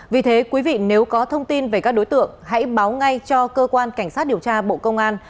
vì thế quý vị nếu có thông tin về các đối tượng hãy báo ngay cho cơ quan cảnh sát điều tra bộ công an